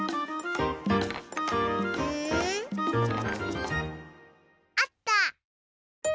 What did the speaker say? うん？あった！